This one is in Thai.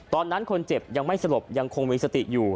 ตอนนั้นคนเจ็บยังไม่สลบยังคงมีสติอยู่